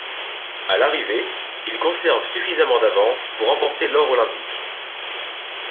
À l'arrivée, il conserve suffisamment d'avance pour remporter l'or olympique.